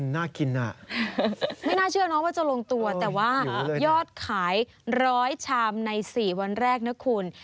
น่ากินอ่ะไม่น่าเชื่อน้องว่าจะลงตัวแต่ว่ายอดขาย๑๐๐ชามใน๔วันแรกนะคุณ